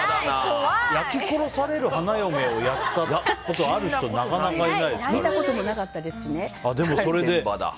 焼き殺される花嫁をやったことある人見たこともなかったですしね。